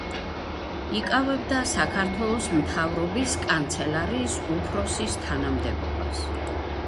იკავებდა საქართველოს მთავრობის კანცელარიის უფროსის თანამდებობას.